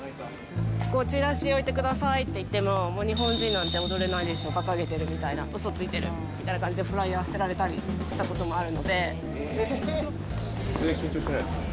ここ、チラシ置いてくださいって言っても、もう日本人なんて踊れないでしょ、ばかげてるみたいな、うそついてるみたいな感じでフライヤー捨てられたりしたこともあ全然緊張しないんですね。